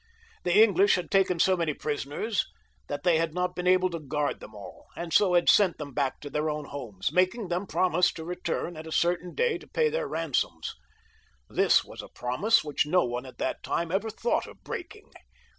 The English had taken so many prisoners that they had not been able to guard them aU, and so had sent them 170 JOHN (LE BON). [CH. back to their own homes, making them promise to return at a certain day to pay their ransoms. This was a promise which no one, at that time, ever thought of breaking.